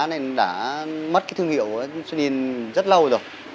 nên đã mất cái thương hiệu của sonin rất lâu rồi